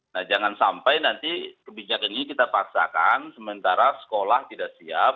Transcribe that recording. nah jangan sampai nanti kebijakan ini kita paksakan sementara sekolah tidak siap